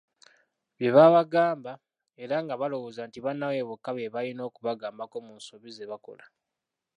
Bye babagamba, era nga balowooza nti bannaabwe bokka be balina okubagambako mu nsobi zebakola,